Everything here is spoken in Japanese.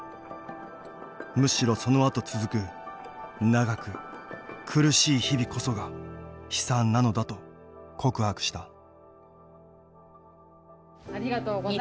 むしろそのあと続く長く苦しい日々こそが悲惨なのだと告白したありがとうございます。